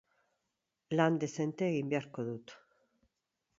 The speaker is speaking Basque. Lan dezente egin beharko dut.